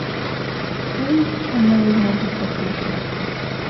Inti shanaywan rupachishqa.